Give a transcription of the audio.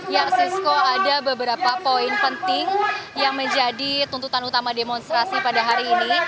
ya sesko ada beberapa poin penting yang menjadi tuntutan utama demonstrasi pada hari ini